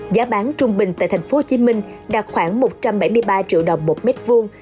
giá bán trung bình tại tp hcm đạt khoảng một trăm bảy mươi ba triệu đồng một mét vuông